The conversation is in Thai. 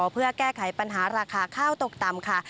เพื่อแก้ไขปัญหาราคาข้าวตกต่ำค่ะ